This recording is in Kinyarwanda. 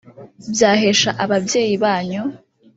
byahesha ababyeyi banyu